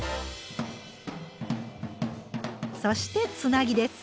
そしてつなぎです。